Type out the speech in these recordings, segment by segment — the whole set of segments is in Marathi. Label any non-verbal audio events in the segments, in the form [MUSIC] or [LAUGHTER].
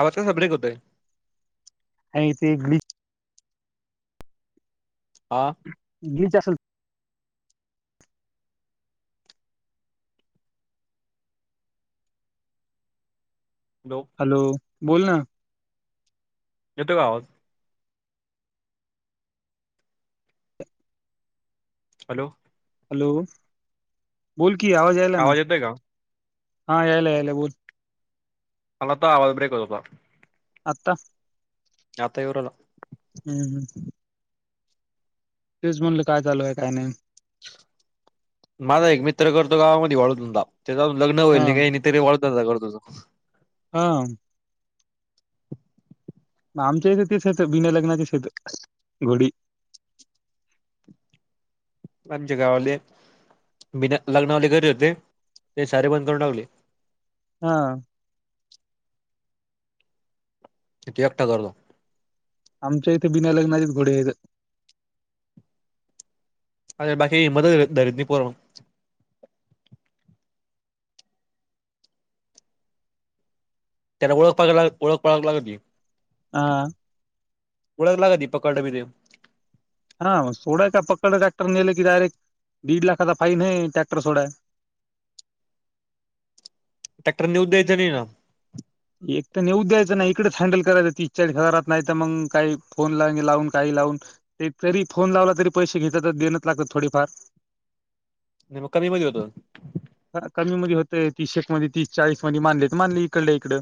आवाज असा ब्रेक होतोय नाही ते ग्ली हा. घेत असल. हॅलो. बोल ना. येतो का आवाज. हॅलो. हॅलो बोल. की आवाज आयलाय ना? येतोय का? हा यायला यायला बोल. आला आता. आवाज ब्रेक होत होता. आता. आता येऊ राहिला. हम्म हम्. तेच म्हणले काय चालूय काय नाही? माझा एक मित्र करतो गावामध्ये वाळू धंदा. त्याच अजून लग्न हा व्हायला नाही काय नाही तर वा [UNINTELLIGIBLE] हा. आमच्या इथ तसेच बिना लग्नाची शेत घोडी. आमच्या गाववाले बिना लग्नावाले करत होते ते सारे बंद करून टावले. हा. तिथे एकटा करलो. आमच्या इथे बिनालग्नाचेच घोडे आहेत. अ बाकी मद [UNINTELLIGIBLE] पोर. त्याला ओळख पालख लागा ओळख पालख लागा की. आ ळख ला का दीपक काढावी देव हा सोडाय का पकड ट्रॅक्टर नले की डायरेक्ट दीड लाख फाईन ह ट्रॅक्टर सोडा य. ट्रॅक्टर नेऊन द्यायचा नाही का? एक तर नेऊ द्यायचं नाही इकडेच हँडल करायचं ती चाळीस हजारात नाही तर मग काही फोन ला लावून काही लावून ते तरी फोन लावला तरी पैसे घेतात देनच लागत थोडेफार. नाही मग कमी होत. तीशेक मध्ये तीस चाळीस मध्ये मानले तर मानले इकडलं इकडं.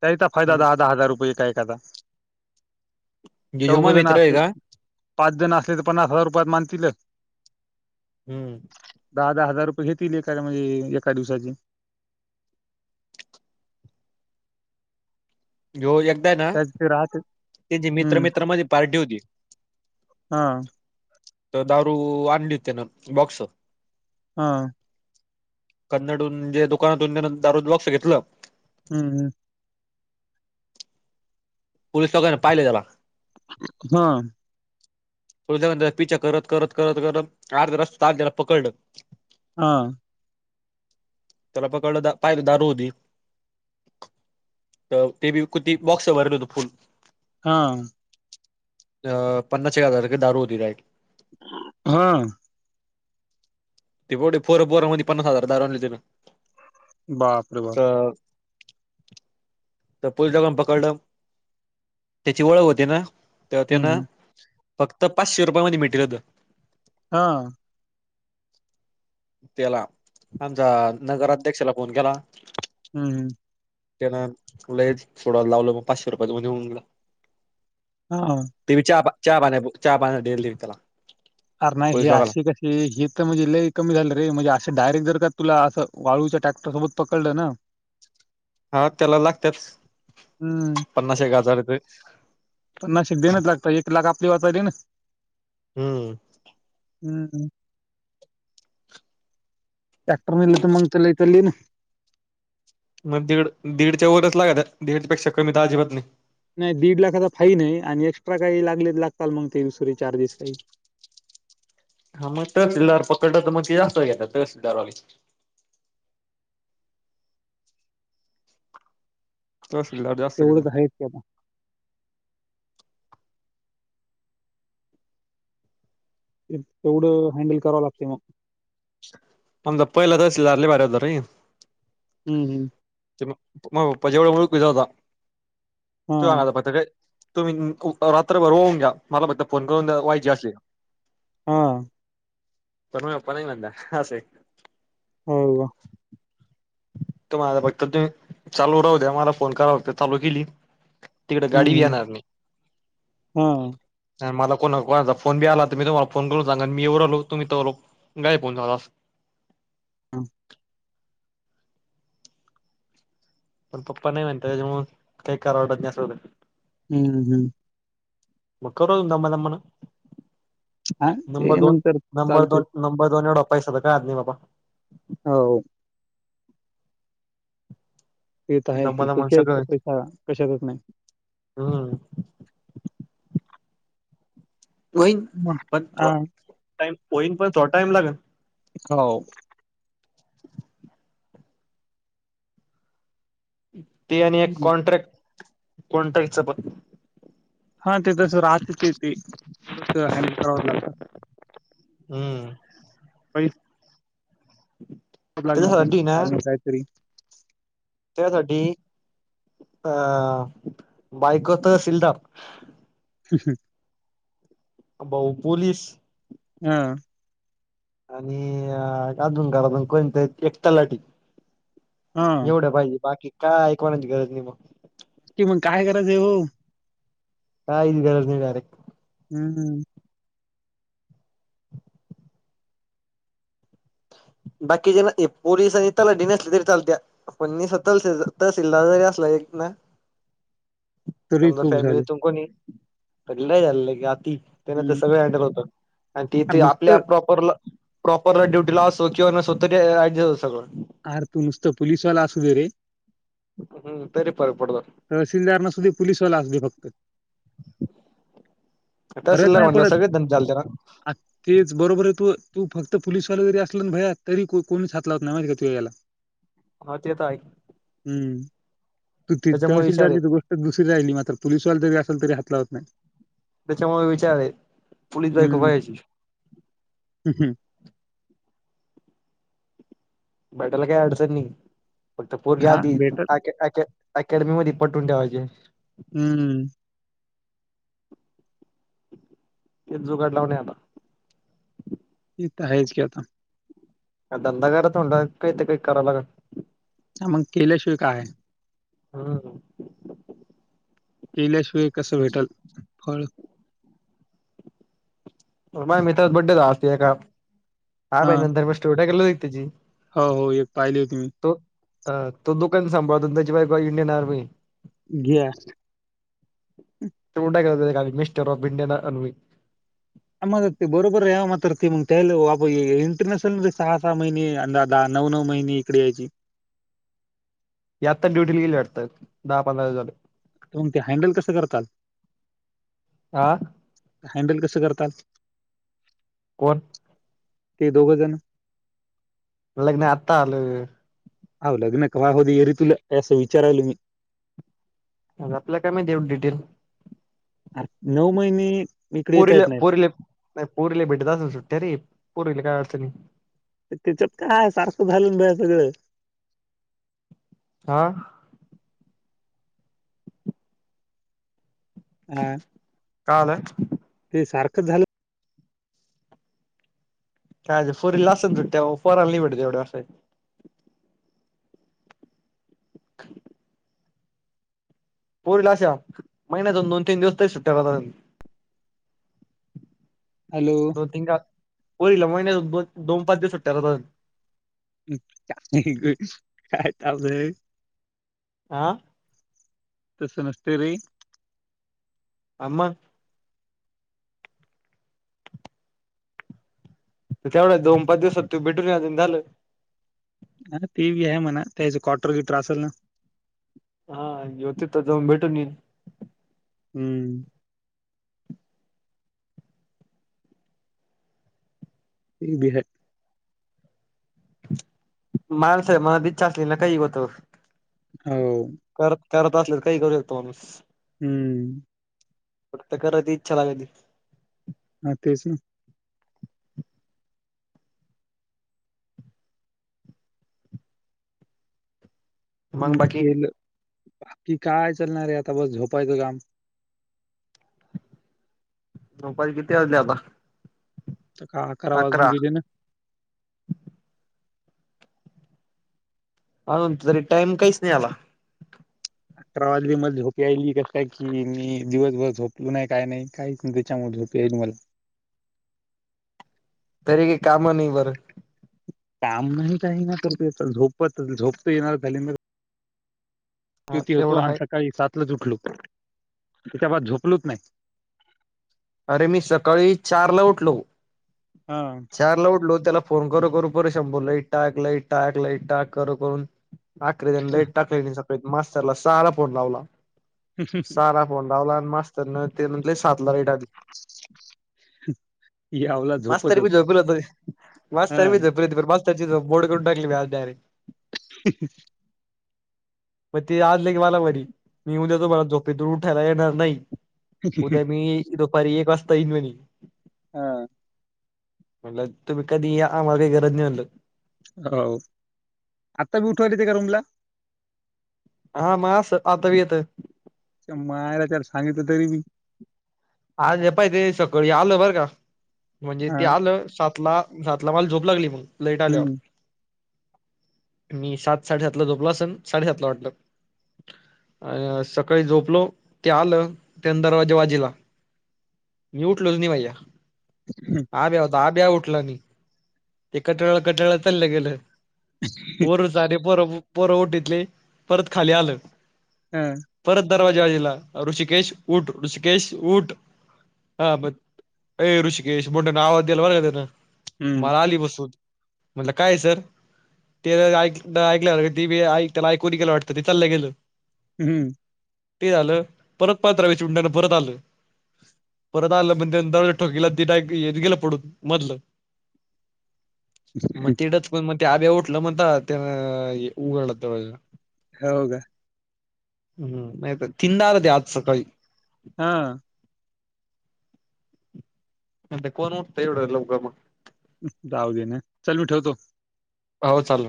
त्याचा फायदा हम्म. दहा दहा हजार रुपये काय? कदा. ह्यो चौघ माझा जण मित्र आहे असले का पाच ले तर पन्नास हजार रुपयात मानतील. हम्म. दहा दहा हजार रुपये घेतील एका म्हणजे एका दिवसाची. जो एक त आहे ना त्यात ते राहते तिथे मित्रा हम्म मित्रा मध्ये पार्टी होती हा तर दारू आणली त्यानं बॉक्स. हा. कन्नडून जे दुकानातून जे दारूचे बॉक्स घेतलं. हम् हम पोललीस दोघ पाहिले त्याला हा त्याचा पिछा करत करत करत करत अर्ध्या रस्त्यात त्याला पकडलं हा त्याला पकडलं पाहिलं दारू होती तर ते बी किती बॉक्स भरलं होत फुल हा अ पन्नास एक हजार ची दारू होती त्याच्याकडे हा ते प पोर पोरा मध्ये पन्नास ची दारू आणली त्यानं बापरे बाप तर तर पोलिसांनी पकडलं त्याची ओळख होती ना तर त्यांन हम्म फक्त पाचशे रुपयामध्ये मिटवलं होतं हा त्याला आमचा नगराध्यक्षाला फोन केला हम्म हम्म त्यांना तुला लयच सोडायला लावलं मग पाचशे रुपयात मिटवलं हा ते बेबी चहापाणी चहा पाण्या चहा साठी दिले त्याला अरे नाही पोलीस हे लोकाला अशी कशी हे तर म्हणजे लयकमी झालं रे म्हणजे असं डायरेक्ट जर का तुला वाळूच्या ट्रॅक्टर सोबत पकडलं ना हा त्याला लागतच हम्म पन्नास देनच लागत एक लाख आप ते वाचाली ना हम्म हम् ह ट्रॅक्टर नीला तर मंग चलयेतल ना मग दीड दीडच्या वरच लागतं दीडच्या पेक्षा कमी तर अजिबात नाही नाही दीड लाखाचा फान आहे आणि एक्स्ट्रा काही लागले लागताल मग ते दुसरी चार्जेस काही हा मग तहसीलदार पकडलं तर मग ते जास्त घेत तहसीलदार तहसीलदार जास्त तेवढंच घेतात आहेत त्या तेवढं हँडल करावं लागते मग आमचा पहिला तहसीलदार लय भारी होता रे हम्म हम्म [UNINTELLIGIBLE] तवा हां, आ पात [INAUDIBLE] तुम्ही रात्रभर होऊन घ्या मला बघ फोन करून वयचे असले का हा पर म पप्पा नाही म्हणत्यात अस हो का? तुम्हाला बघा तर तुम्ही चालू राहू द्या मला फोन करात चालू केली तिकडे हं, गाडी ब हं. येणार हां, नाही मला कोणा कोणाचा फोन बी आला तर मी तुम्हाला फोन करून सांग मी एव आलो तुम्ही तरलो गायब होऊन हा पण पप्पा नाही म्हणत त्यांच्यामुळे काही करा वाडत जास् हम्म हम्म मग कर दमा दमान हां, नंबर ते दोन नंतर नंबर चालते. दोन नंबर दोन एवड पैसा तर कायात नाही बाबा हो तेेत आहे क दमा दमान सगळं त्याच्या होईल. पैसा कशा करत नाही हम्म वन मग प ट हां, होईन पण थोडा टाइम लागेल हो ते आणि एक हं. कॉन्ट्रॅक्ट कोणता इचं पघ हा तेिथसर आ [UNINTELLIGIBLE] हम्म ह खूप लागणार का त्याच्यासाठी ना नाही तरी त्यासाठी अं बायकोत तहसीलदार [INAUDIBLE] बऊ पोलीस हा आणि अजून घरातून कोणत एक तलाठी हां. एवढं पाहिजे बाकी काय ऐकवाण्याची गरज नाही मग की मग काय करायचं आहे हो काय गरज नाही डायरेक्ट हम् ह [INAUDIBLE] बाकी ज ना पोलीस आणि तलाडी नसली तरी चालते पणस त तहसीलद जरी असला एक ना तरी समज खूप फॅमिली झालं तुम कोणी पगला झालेलं की आत त्यान हम्म तर सगळे हँडल होतात आणि अर तिथे आपल्या नुसतं प्रॉपर प्रॉपर ड्युट ला तोकी स्वत आच स आर तू नुसतं पोललीस वाला असू दे रे सगळं तरी फरक पडतो तहसीलदार ना सुध पोलिसवाला असते फक्त [INAUDIBLE] फरक तहसीलदार नाही म्हटलं पडत सगळेच धंदे चालते ना अखखेच बरोबर आहे तू तू फक्त पोललीसवाला जरी असल ना भया तरी कोणीच हातला होत नाही माे का तू यायला हा ते तर आहे हम्म त त्याच्यामुळे विचार आहे तहसीलदारची तर गोष्ट दुसरी राहिली मात्र पोलीसला जरी असलरी ह क होत नाही बच्या म विचार पलीस बाई हम्म खपयची बडला काय आडनी फक्त पोरग हा आधी भेटल अकॅडमी मध्ये पटून ठेवायचे हम्म ते जुगाड लावणे आला ताहेज कता दंदा कर तथोंडा काही ते काही कराला का ह मग केल्याशिवाय काय हा केले शुय कसं भेटल फळ बाई मीथच बड्डेचा असते का हा भाई नन र्मेोटेलो जी हो हो एक पाहिले हो तुम्ही अ तो दुकान सांभाळतो त्याच्या बाय इंडियन आर्मी घ तेवढं टाकलं होतं मिस्टर ऑफ इंडियाना अनवी मग ते बरोबर आहे मात्र ते मग त्यालं इंटरनॅशनले सहा सहा महिने अंदा दहा नऊ नऊ महिने इकडे यायची याता डुटी गेलीता दहा पंधरा झाले तरग ते हँडल कसं करतात हा हॅडल कसं करतात कोण ते दोघंजण म्हलाग नाही आता आल ह लग्न काय होत येरी तुला असं विचारायल मी आपल्याला काय माहि देऊ डिटेल नऊ महिने इकडे येता पुरीला येत नाहीत परीले प पुरीला बिठ दस सुट्ट्या रे पुर्वील काय अडचणींच्या. त्याच्यात काय सारखं [UNINTELLIGIBLE] सगळं हा. [INAUDIBLE] काय आलंय झालं. [UNINTELLIGIBLE] [UNINTELLIGIBLE] पोरीना अशा महिन्यातून दोन तीन दिवस तरी सुट्ट्या करतात. हॅलो दोन तीन का होर ल मना बछ [UNINTELLIGIBLE] दोन पाच दिवस सुट्ट्या. का काय तबलं [UNINTELLIGIBLE] आ. [UNINTELLIGIBLE] आम्हा.. तेवढ्या दोन पाच दिवसात तू भेटून या झालं. हा ते बी आहे म्हणा त्याच क्टर गिटर असेल ना. हा होते तिथं जाऊन भेटून ये. हम्म. ते बी आहे. [UNINTELLIGIBLE] हो‌. करत करत असले तर काही करू शकतो माणूस. हम्म. [INAUDIBLE] हा तेच ना. मग बाकी [UNINTELLIGIBLE] [INAUDIBLE] दुपारी किती वाजली आता. तर का अकरा वाजून घेले ना. अ तरी टाइम काहीच नाही याला अठरा वाजी मला झोपी आयली कस की मी दिवसभर झोपलो नाही काय नाही काहीच त्याच्यामुळे झोपी यायली मला. तरी काही काम नाही बर. काम नाही काही ना करत झोपत झोपत येणार [UNINTELLIGIBLE] हा क्युती होतो तेवढं आणि हाय सकाळी सातला उठलं. तिच्यावर झोपलोच नाही. अरे! मी सकाळी चार ला उठलो. हा चार ला उठलो त्याला. [INAUDIBLE] [UNINTELLIGIBLE] मास्तरला साहाला फोन लावला. साहाला फोन लावला. मास्तर ना ते म्ह सात ला रेट यावला मास् तारी झोपतच बी झोपल होत मास् हा तारीी झोपली हो बोड करून टाकलीज्यारे मग ते आजले की मलावररी मी येऊन देतो मला झोपेतर उठायला येणार नाही उद्या मी पर एक वाजता इईन म्हणी हा म्हणलं तुम्ही कधी आमाग गरजञलं हो आता बी उठवाले ते का रूमला हा मग आता ब येत मायला त्या सांगितलं तरी मी आज पाहि ते सकळी आलो बरं का म्हणजे हा ते आलं सातला सातला माल झोप लागली मग लईट हम्म आलेवरर मी सात साडेसातला झोपला सन साडेसातला वाटलं अ सकाळी झोपलो ते आलं त्या दरवाज्या बाजीला मी उठलोच नाही भाैया आता आ ब्या उठला आणि ते कटळा कटाळा चाललं गेलं वर सारी परं उठतले परत खाली आलं हम् परत दरवाजा आजला ऋषिकेश ऊठ ऋषिकेश उऊठ हा म ए ऋषिकेश मोठ ना आवाजला वरगते ना. हम्म मला आली बसूत म्हटलं काय सर ते ऐक ऐकलं तीी त्याला ऐकूून गेलं वाटत ते चाललं गेलं. हम्म. ते झालं परतपात्रावी चुंड्यान परत आलं. परत आलं पण त्या दज ठोकला त गेलं पडून मधलं मग [INAUDIBLE] त्या आब्या उठलं म्हणता त्या उघडलं ते हो का? हम्म नाही तर तिडार द आज सकाळी हा. म्ह कोण उठत एवढ लव का म जाव देणे चल मी ठेवतो. हो चाल.